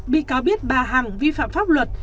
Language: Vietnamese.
bị cáo biết bà hằng vi phạm pháp luật